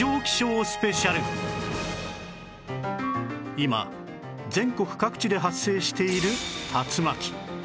今全国各地で発生している竜巻